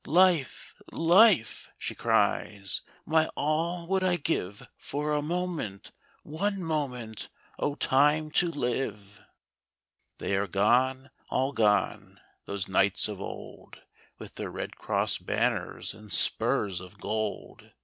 " Life I life 1 " she cries, " my all would I give For a moment, one moment, O, Time, to live I " They are gone, all gone, those knights of old, With their red cross banners and spurs of gold.